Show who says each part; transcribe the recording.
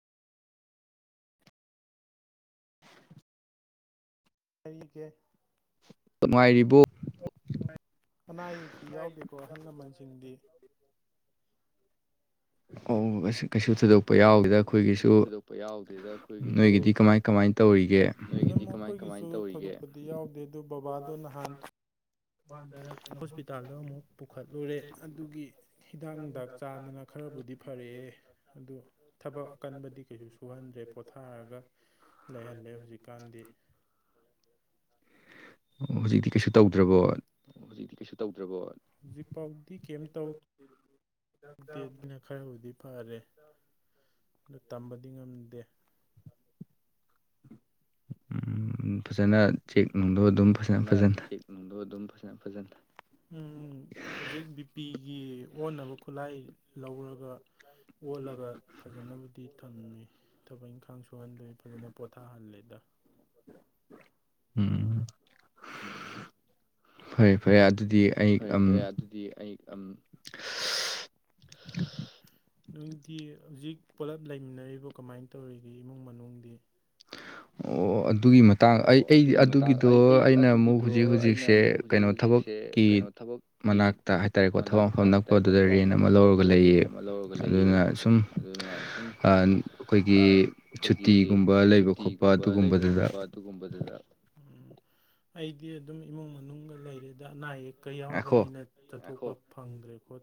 Speaker 1: ꯑꯩ ꯏꯒꯦ
Speaker 2: ꯅꯨꯡꯉꯥꯏꯔꯤꯕꯣ
Speaker 1: ꯑꯅꯥ ꯑꯌꯦꯛꯇꯤ ꯌꯥꯎꯗꯦꯀꯣ ꯑꯍꯜ ꯂꯃꯟꯁꯤꯡꯗꯤ
Speaker 2: ꯑꯧ ꯀꯩꯁꯨ ꯊꯣꯢꯗꯣꯛ ꯄꯨ ꯌꯥꯎꯗꯦꯗ ꯑꯩꯈꯣꯏꯒꯤꯁꯨ ꯅꯣꯏꯒꯤꯗꯤ ꯀꯃꯥꯏ ꯀꯃꯥꯏ ꯇꯧꯔꯤꯒꯦ
Speaker 1: ꯑꯗꯨꯝ ꯑꯩꯈꯣꯏꯒꯤꯁꯨ ꯊꯣꯏꯊꯣꯛꯄꯗꯤ ꯌꯥꯎꯗꯦ ꯑꯗꯨ ꯕꯥꯕꯥꯗꯣ ꯅꯍꯥꯟ ꯍꯣꯁꯄꯤꯇꯥꯜꯗ ꯑꯃꯨꯛ ꯄꯨꯈꯠꯂꯨꯔꯦ ꯑꯗꯨꯒꯤ ꯍꯤꯗꯥꯛ ꯅꯨꯡꯗꯥꯛ ꯆꯥꯗꯅ ꯈꯔꯕꯨꯗꯤ ꯐꯔꯛꯑꯦ ꯑꯗꯨ ꯊꯕꯛ ꯑꯀꯟꯕꯗꯤ ꯀꯩꯁꯨ ꯁꯨꯍꯟꯗ꯭ꯔꯦ ꯄꯣꯊꯥꯔꯒ ꯂꯩꯍꯜꯂꯦ ꯍꯧꯖꯤꯛꯀꯥꯟꯗꯤ
Speaker 2: ꯑꯣ ꯍꯧꯖꯤꯛꯇꯤ ꯀꯩꯁꯨ ꯇꯧꯗ꯭ꯔꯕꯣ
Speaker 1: ꯑꯣ ꯍꯧꯖꯤꯛꯇꯤ ꯀꯩꯁꯨ ꯇꯧꯗ꯭ꯔꯕꯣ ꯍꯧꯖꯤꯛꯐꯥꯎꯗꯤ ꯀꯩꯝ ꯇꯧ ꯗꯦꯗꯨꯅ ꯈꯔꯕꯨꯗꯤ ꯐꯔꯦ ꯑꯗꯣ ꯇꯝꯕꯗꯤ ꯉꯝꯗꯦ
Speaker 2: ꯐꯖꯅ ꯆꯦꯛ ꯅꯨꯡꯗꯣ ꯑꯗꯨꯝ ꯐꯖꯅ ꯐꯖꯅ
Speaker 1: ꯅꯨꯡꯗꯣ ꯑꯗꯨꯝ ꯐꯖ ꯐꯖꯅ ꯎꯝ ꯍꯧꯖꯤꯛ ꯕꯤ ꯄꯤꯒꯤ ꯑꯣꯟꯅꯕ ꯈꯨꯠꯂꯥꯏ ꯂꯧꯔꯒ ꯑꯣꯜꯂꯒ ꯐꯖꯅꯕꯨꯗꯤ ꯊꯝꯃꯤ ꯊꯕꯛ ꯏꯪꯈꯥꯡ ꯁꯨꯍꯟꯗꯦ ꯐꯖꯅ ꯄꯣꯊꯥꯍꯜꯂꯦꯗ
Speaker 2: ꯎꯝ
Speaker 1: ꯎꯝ ꯐꯩ ꯐꯩ ꯑꯗꯨꯗꯤ ꯑꯩ ꯑꯝ ꯅꯣꯏꯗꯤ ꯍꯧꯖꯤꯛ ꯄꯨꯂꯞ ꯂꯩꯃꯤꯟꯅꯔꯤꯕꯣ ꯀꯃꯥꯏꯅ ꯇꯧꯔꯤꯒꯦ ꯏꯃꯨꯡ ꯃꯅꯨꯡꯗꯤ
Speaker 2: ꯑꯣ ꯑꯗꯨꯒꯤ ꯃꯇꯥꯡ ꯑꯩꯗꯤ ꯑꯗꯨꯒꯤꯗꯣ ꯑꯩꯅ ꯑꯃꯨꯛ ꯍꯧꯖꯤꯛ ꯍꯧꯖꯤꯛꯁꯦ ꯀꯩꯅꯣ ꯊꯕꯛꯀꯤ ꯃꯅꯥꯛꯇ ꯍꯥꯏꯇꯥꯔꯦꯀꯣ ꯊꯕꯛ ꯃꯐꯝ ꯅꯛꯄ ꯑꯗꯨꯗ ꯔꯦꯟ ꯑꯃ ꯂꯧꯔꯒ ꯂꯩꯌꯦ ꯑꯗꯨꯅ ꯁꯨꯝ ꯑ ꯑꯩꯈꯣꯏꯒꯤ ꯁꯨꯇꯤꯒꯨꯝꯕ ꯂꯩꯕ ꯈꯣꯠꯄ ꯑꯗꯨꯒꯨꯝꯕ
Speaker 1: [unintelligible] ꯈꯣꯠꯄ ꯑꯗꯨꯒꯨꯝꯕꯗꯨꯗ ꯎꯝ ꯑꯩꯗꯤ ꯑꯗꯨꯝ ꯏꯃꯨꯡ ꯃꯅꯨꯡꯒ ꯂꯩꯔꯦꯗ ꯑꯅꯥ ꯑꯌꯦꯛꯀ ꯌꯥꯎꯕꯅꯤꯅ ꯆꯠꯊꯣꯛꯄ ꯐꯪꯗ꯭ꯔꯦ ꯈꯣ